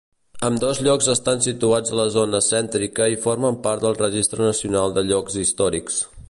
Ambdós llocs estan situats a la zona cèntrica i formen part del Registre Nacional de Llocs Històrics.